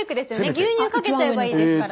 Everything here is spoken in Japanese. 牛乳かけちゃえばいいですから。